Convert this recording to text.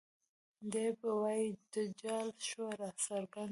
دے به وائي تجال شوه راڅرګنده